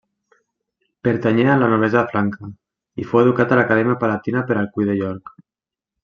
Pertanyé a la noblesa franca i fou educat a l'Acadèmia Palatina per Alcuí de York.